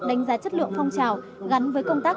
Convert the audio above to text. đánh giá chất lượng phong trào gắn với công tác